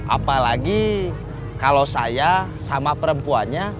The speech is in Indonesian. apa lagi kalau saya sama perempuannya